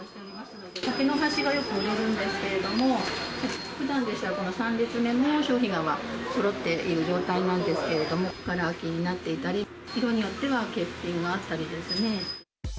竹の箸がよく売れるんですけれども、ふだんでしたら、この３列目の商品がそろっている状態なんですけれども、がら空きになっていたり、色によっては、欠品があったりですね。